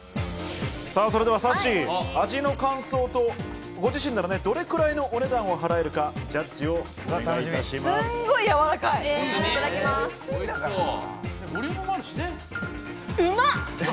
それでは、さっしー、味の感想とご自身ならどれくらいのお値段を払えるかジャッジをお願いします。